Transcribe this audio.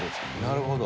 なるほど。